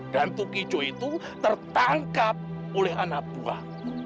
dan tukijo itu tertangkap oleh anak buah